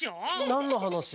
なんのはなし？